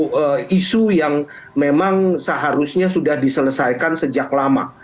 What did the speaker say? itu isu yang memang seharusnya sudah diselesaikan sejak lama